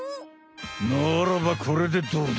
ならばこれでどうだ！